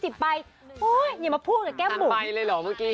๒๐ใบอย่ามาพูดกับแก้มบุ๋ม